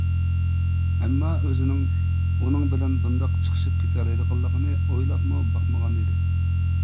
ئەمما ئۆزىنىڭ ئۇنىڭ بىلەن بۇنداق چىقىشىپ كېتەلەيدىغانلىقىنى ئويلاپمۇ باقمىغانىدى.